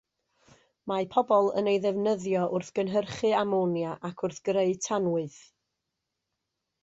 Mae pobl yn ei defnyddio wrth gynhyrchu amonia, ac wrth greu tanwydd.